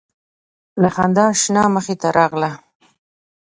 له خندا شنه مخې ته راغله